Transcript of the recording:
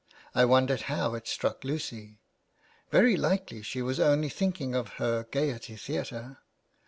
I wondered how it struck Lucy. Very likely she was only thinking of her Gaiety Theatre